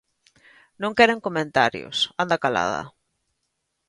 Non quere comentarios, anda calada.